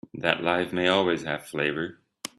That life may always have flavor.